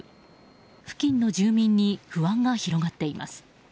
付近の住民に不安が広がっています。